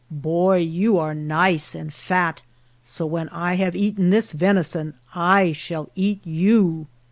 Boy, you are nice and fat, so when I have eaten this venison I shall eat you."